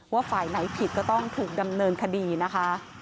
ว่าฝ่ายไหนผิดก็ต้องถูกดำเนินคดีนะคะ